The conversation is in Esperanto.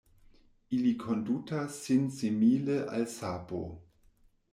Ili kondutas sin simile al sapo.